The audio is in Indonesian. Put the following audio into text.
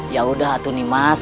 yaudah tuh nih mas